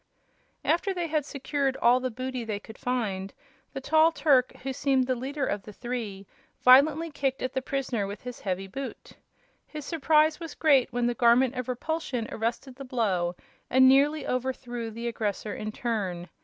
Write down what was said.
After they had secured all the booty they could find, the tall Turk, who seemed the leader of the three, violently kicked at the prisoner with his heavy boot. His surprise was great when the Garment of Repulsion arrested the blow and nearly overthrew the aggressor in turn.